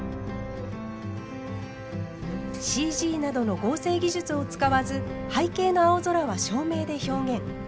ＣＧなどの合成技術を使わず背景の青空は照明で表現。